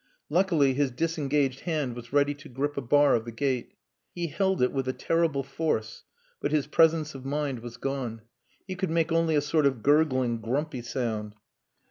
Luckily his disengaged hand was ready to grip a bar of the gate. He held it with a terrible force, but his presence of mind was gone. He could make only a sort of gurgling, grumpy sound.